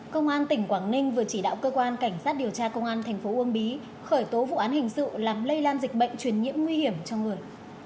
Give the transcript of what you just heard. công an tỉnh quảng ninh vừa chỉ đạo cơ quan cảnh sát điều tra công an thành phố uông bí khởi tố vụ án hình sự làm lây lan dịch bệnh truyền nhiễm nguy hiểm cho người